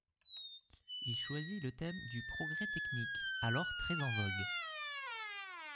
Il choisit le thème du progrès technique alors très en vogue.